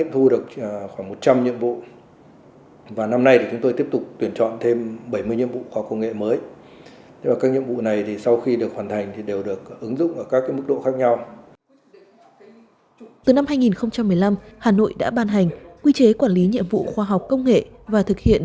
từ năm hai nghìn một mươi năm hà nội đã ban hành quy chế quản lý nhiệm vụ khoa học công nghệ và thực hiện